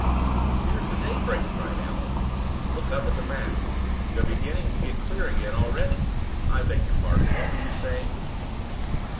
"Here's the daybreak!" cried Allan. "Look up at the masts; they're beginning to get clear again already. I beg your pardon. What were you saying?"